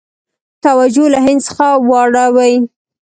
توجه له هند څخه واړوي.